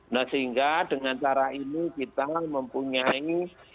nah sehingga dengan cara ini kita mempunyai